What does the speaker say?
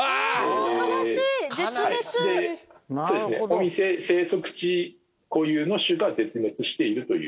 お店生息地固有の種が絶滅しているという。